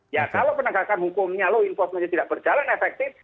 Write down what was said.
ya kalau penegakan hukumnya tidak berjalan efektif